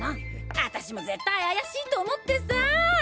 あたしも絶対怪しいと思ってさぁ。